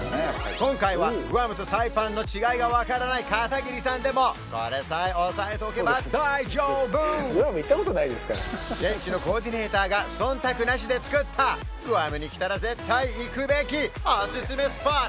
今回はグアムとサイパンの違いが分からない片桐さんでもこれさえ押さえとけば大丈夫現地のコーディネーターが忖度なしで作ったグアムに来たら絶対行くべきおすすめスポット